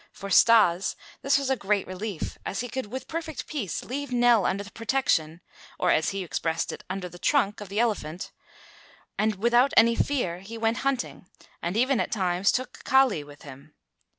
For Stas this was a great relief as he could with perfect peace leave Nell under the protection, or, as he expressed it, "under the trunk of the elephant," and without any fear he went hunting and even at times took Kali with him.